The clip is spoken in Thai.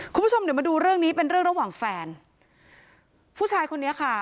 คุณผู้ชมเดี๋ยวมาดูเรื่องนี้เป็นเรื่องระหว่างแฟนผู้ชายคนนี้ค่ะ